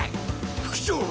副長！